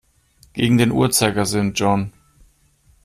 Gegen den Uhrzeigersinn, John.